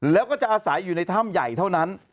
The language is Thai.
แล้วก็จะอาศัยอยู่ในถ้ำใหญ่เท่านั้น